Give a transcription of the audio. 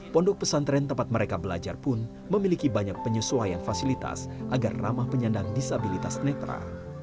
pondok pesantren tempat mereka belajar pun memiliki banyak penyesuaian fasilitas agar ramah penyandang disabilitas netra